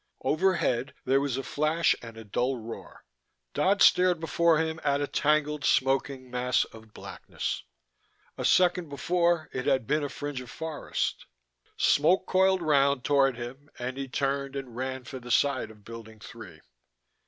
Overhead there was a flash and a dull roar. Dodd stared before him at a tangled, smoking mass of blackness. A second before, it had been a fringe of forest. Smoke coiled round toward him and he turned and ran for the side of Building Three.